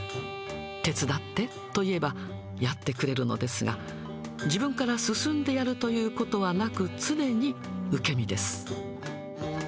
手伝ってと言えば、やってくれるのですが、自分から進んでやるということはなく、常に受け身です。